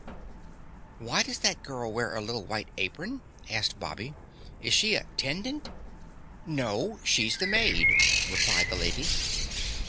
"Why does that girl wear a little white apron?" asked Bobby. "Is she a 'tendant?" "No, she's the maid," replied the lady.